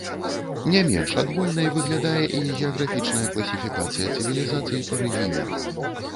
Не менш адвольнай выглядае і геаграфічная класіфікацыя цывілізацый па рэгіёнах.